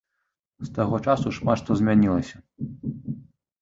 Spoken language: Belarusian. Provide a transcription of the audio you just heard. З таго часу шмат што змянілася.